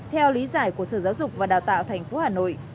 theo lý giải của sở giáo dục và đào tạo thành phố hà nội